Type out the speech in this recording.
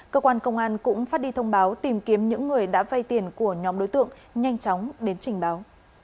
cơ quan công an cũng phát đi thông báo tìm kiếm những người đã vay tiền của nhóm đối tượng nhanh chóng đến trình báo